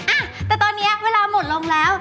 อ่ะแต่ตอนนี้เวลาหมดลงแล้ว